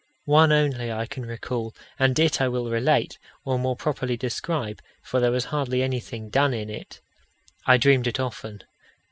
One only I can recall, and it I will relate, or more properly describe, for there was hardly anything done in it. I dreamed it often.